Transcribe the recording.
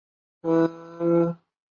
潘公展生于一个绢商家庭。